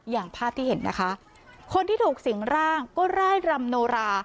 อย่างภาพที่เห็นนะคะคนที่ถูกสิงร่างก็ร่ายรำโนรา